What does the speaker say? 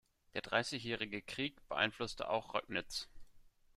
Der Dreißigjährige Krieg beeinflusste auch Röcknitz.